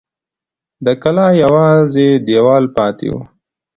د کلا یوازې دېوال پاته و.